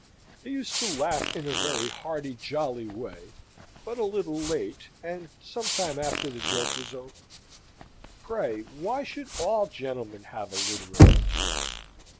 He used to laugh in a very hearty jolly way, but a little late, and some time after the joke was over. Pray, why should all gentlemen have a literary turn?